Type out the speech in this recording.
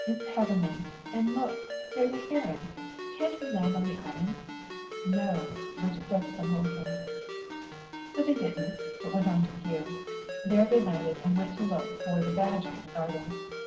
"It's heavenly. And look, there's a heron.... Can't we land on the island?" "No. Bridget says it's unwholesome." So they didn't, but went on to Kew. There they landed and went to look for the badger in the gardens.